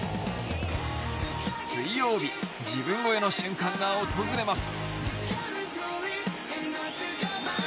水曜日自分超えの瞬間が訪れます。